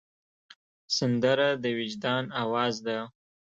سندره د وجدان آواز ده